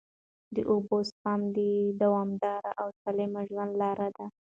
د اوبو سپما د دوامدار او سالم ژوند لاره ده.